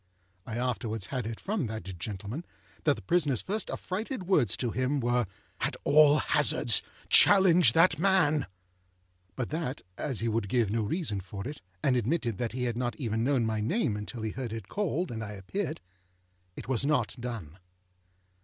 I afterwards had it from that gentleman, that the prisonerâs first affrighted words to him were, â_At all hazards_, challenge that man!â But that, as he would give no reason for it, and admitted that he had not even known my name until he heard it called and I appeared, it was not done.